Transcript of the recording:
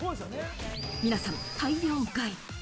皆さん、大量買い。